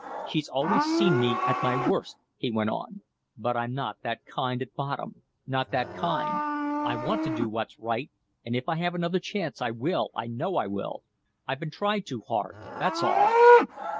She's always seen me at my worst," he went on, "but I'm not that kind at bottom, not that kind. I want to do what's right, and if I have another chance I will, I know I will. I've been tried too hard, that's all."